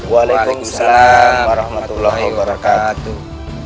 waalaikumsalam warahmatullahi wabarakatuh